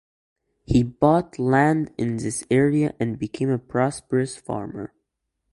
He bought land in this area and became a prosperous farmer.